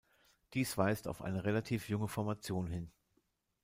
Dies weist auf eine relativ junge Formation hin.